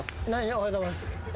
おはようございます。